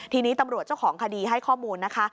ทีนี้ตำรวจเจ้าของคดีให้ข้อมูลนะคะ